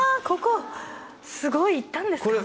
ここすごい行ったんですか